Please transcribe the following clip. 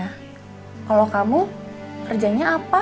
kalau kamu kerjanya apa